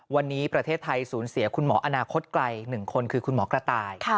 วันนี้ประเทศไทยสูญเสียคุณหมออนาคตไกล๑คนคือคุณหมอกระต่าย